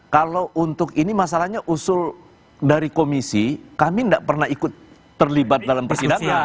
kalau untuk ini masalahnya usul dari komisi kami tidak pernah ikut terlibat dalam persidangan